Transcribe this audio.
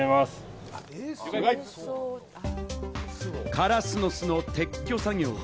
カラスの巣の撤去作業。